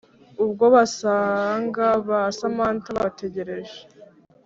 ubwo basanga ba samantha babategereje